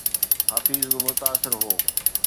حفيظ به متاثر هو